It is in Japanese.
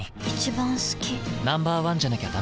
Ｎｏ．１じゃなきゃダメだ。